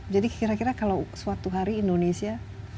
jadi kira kira kalau suatu hari indonesia